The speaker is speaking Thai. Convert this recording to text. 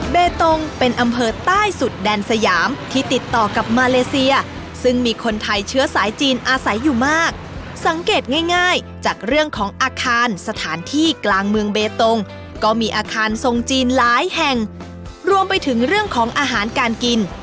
เบตงเป็นอำเภอใต้สุดแดนสยามที่ติดต่อกับมาเลเซียซึ่งมีคนไทยเชื้อสายจีนอาศัยอยู่มากสังเกตง่ายจากเรื่องของอาคารสถานที่กลางเมืองเบตงก็มีอาคารทรงจีนหลายแห่งรวมไปถึงเรื่องของอาหารการกิน